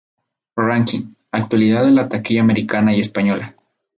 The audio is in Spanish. Ranking: actualidad de la taquilla americana y española.